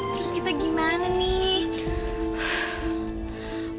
terus kita gimana nih